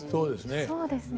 そうですね。